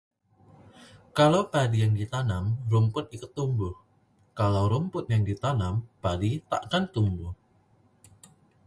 Kalau padi yang ditanam, rumput ikut tumbuh; Kalau rumput yang ditanam, padi takkan tumbuh